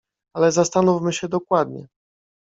"Ale zastanówmy się dokładnie."